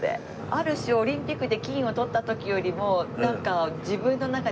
ある種オリンピックで金を取った時よりもなんか。